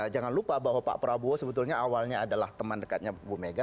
jangan lupa bahwa pak prabowo sebetulnya awalnya adalah teman dekatnya bu mega